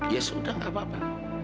ya sudah tidak apa apa